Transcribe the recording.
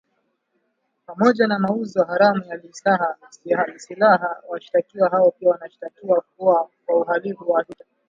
Pamoja na mauzo haramu ya silaha, washtakiwa hao pia wanashtakiwa kwa uhalivu wa vita .